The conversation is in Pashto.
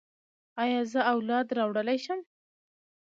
ایا زه اولاد راوړلی شم؟